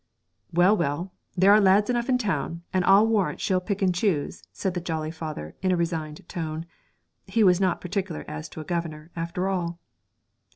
'Well, well, there are lads enough in town, and I'll warrant she'll pick and choose,' said the jolly father in a resigned tone. He was not particular as to a Governor, after all.